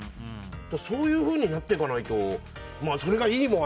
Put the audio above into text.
そういうふうにやっていかないと。